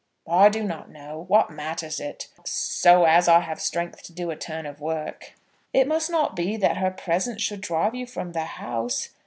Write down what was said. "I do not know. What matters it, so as I have strength to do a turn of work?" "It must not be that her presence should drive you from the house.